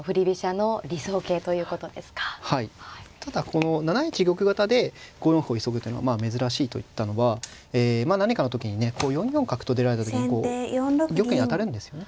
ただこの７一玉型で５四歩を急ぐというのは珍しいと言ったのは何かの時にね４四角と出られた時にこう玉に当たるんですよね。